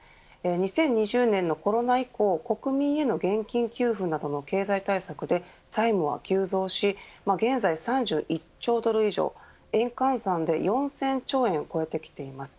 ２０２０年のコロナ以降国民への現金給付などの経済対策で債務は急増し現在３１兆ドル以上円換算で４０００兆円を超えてきています。